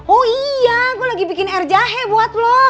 oh iya aku lagi bikin air jahe buat lo